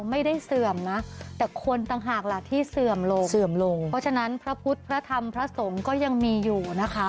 เพราะฉะนั้นพระพุทธพระธรรมพระสงฆ์ก็ยังมีอยู่นะคะ